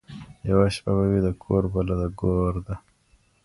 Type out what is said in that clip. یوه شپه به وي د کور بله د ګور ده